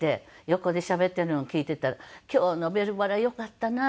横でしゃべっているのを聞いていたら「今日の『ベルばら』よかったな」